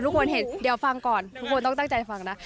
คนเห็นเดี๋ยวฟังก่อนทุกคนต้องตั้งใจฟังนะ